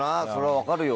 分かるよ